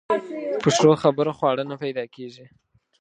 په ښو خبرو خواړه نه پیدا کېږي.